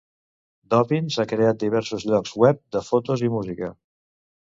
Dobbins ha creat diversos llocs web de fotos i música.